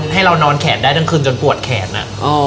ให้เรานอนแขนได้ทั้งคืนจนปวดแขน